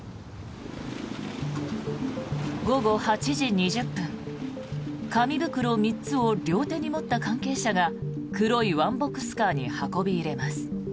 午後８時２０分紙袋３つを両手に持った関係者が黒いワンボックスカーに運び入れます。